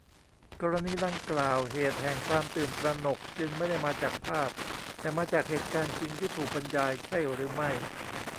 กรณีดังกล่าว เหตุแห่งความตื่นตระหนกจึงไม่ได้มาจากภาพ แต่มาจากเหตุการณ์จริงที่ถูกบรรยาย ใช่หรือไม่